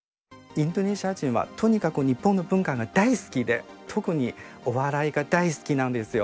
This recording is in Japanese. インドネシア人はとにかく日本の文化が大好きで特にお笑いが大好きなんですよ。